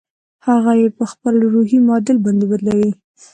هغه يې په خپل روحي معادل باندې بدلوي.